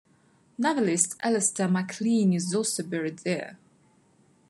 Novelist Alistair MacLean is also buried there.